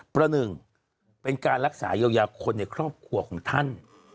เพราะ๑เป็นการรักษาเยวยาคนในครอบครัวของท่าน